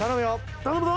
「頼むぞ！」